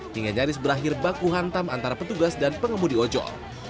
hingga nyaris berakhir baku hantam antara petugas dan pengemudi ojol